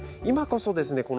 今こそですね